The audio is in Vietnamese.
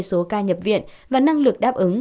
gia nhập viện và năng lực đáp ứng